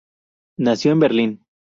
Nació en Berlín.